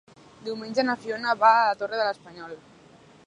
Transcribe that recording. Diumenge na Fiona va a la Torre de l'Espanyol.